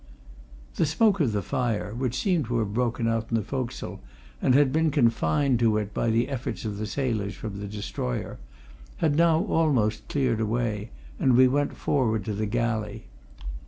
The smoke of the fire which seemed to have broken out in the forecastle and had been confined to it by the efforts of the sailors from the destroyer had now almost cleared away, and we went forward to the galley.